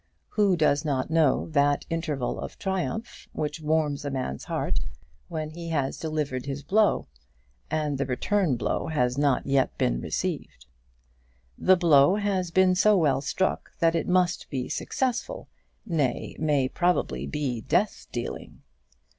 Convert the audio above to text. Who does not know that interval of triumph which warms a man's heart when he has delivered his blow, and the return blow has not been yet received? The blow has been so well struck that it must be successful, nay, may probably be death dealing.